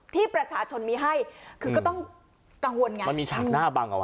ที่ประชาชนมีให้คือก็ต้องกังวลไงมันมีฉากหน้าบังเอาไว้